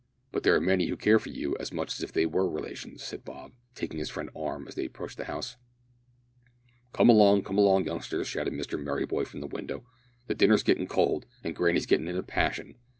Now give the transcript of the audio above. "But there are many who care for you as much as if they were relations," said Bob, taking his friend's arm as they approached the house. "Come along, come along, youngsters," shouted Mr Merryboy from the window, "the dinner's gettin' cold, and granny's gettin' in a passion.